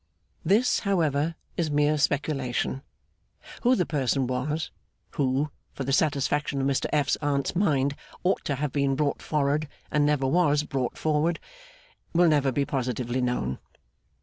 This, however, is mere speculation; who the person was, who, for the satisfaction of Mr F.'s Aunt's mind, ought to have been brought forward and never was brought forward, will never be positively known.